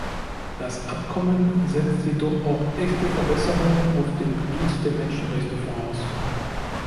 Das Abkommen setzt jedoch auch echte Verbesserungen auf dem Gebiet der Menschenrechte voraus.